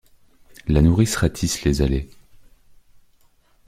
La nourrice râtisse les allées...